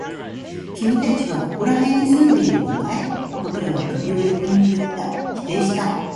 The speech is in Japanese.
君たちはここら辺に住んでいるのかい？僕らは首を横に振った。否定した。